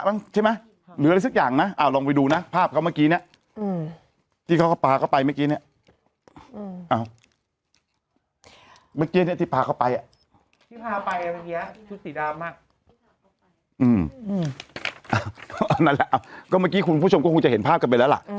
นั่นแหละก็เมื่อกี้คุณผู้ชมก็คงจะเห็นภาพกันไปแล้วล่ะ